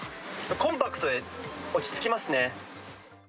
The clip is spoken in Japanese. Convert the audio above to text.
コンパクトで、落ち着きますね。